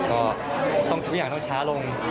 ก็ต้องทุกอย่างต้องช้าลง